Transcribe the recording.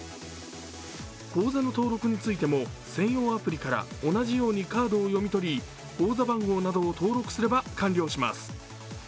口座の登録についても専用アプリから同じようにカードを読み取り口座番号などを登録すれば完了します。